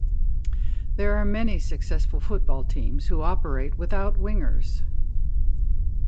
There are many successful football teams who operate without wingers.